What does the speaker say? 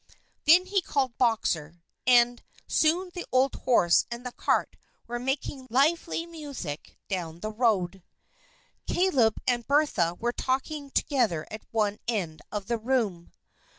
Then he called Boxer, and soon the old horse and the cart were making lively music down the road. Caleb and Bertha were talking together at one end of the room.